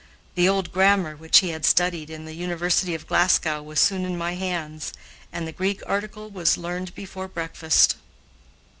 The old grammar which he had studied in the University of Glasgow was soon in my hands, and the Greek article was learned before breakfast.